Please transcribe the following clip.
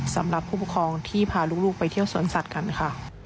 สำหรับผู้ปกครองที่พาลูกไปเที่ยวสวนสัตว์กันค่ะ